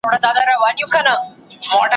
د پردیو خپلو ویني بهېدلې ,